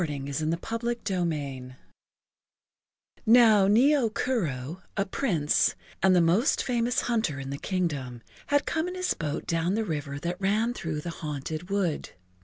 [Pg 20] CHAPTER II NOW Nio Kuro, a Prince and the most famous hunter in the kingdom, had come in his boat down the river that ran through the haunted wood.